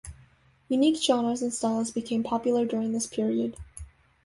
Unique genres and styles became popular during this period.